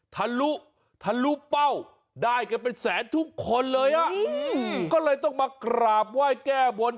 ทะลุทะลุเป้าได้กันเป็นแสนทุกคนเลยอ่ะก็เลยต้องมากราบไหว้แก้บน